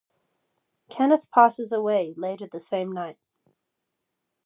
Kenneth passes away later the same night.